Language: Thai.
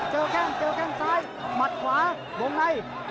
เจอแค้งเจอแค้งซ้ายหมัดขวาบงใน